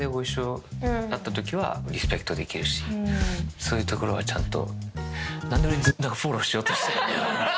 そういうところはちゃんと。